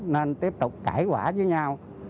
nên tiếp tục cãi quả với nhau